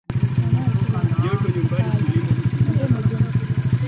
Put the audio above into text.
alimwomba Rais Samia kukamilisha ndoto ya mtangulizi wake